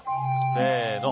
せの。